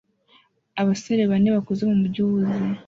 abasore bane bakuze mumujyi uhuze